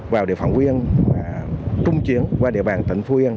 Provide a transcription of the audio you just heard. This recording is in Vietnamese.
vào địa phận quyên và trung chuyển qua địa bàn tỉnh phú yên